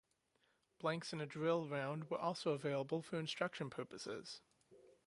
Blanks and a Drill round were also available for instruction purposes.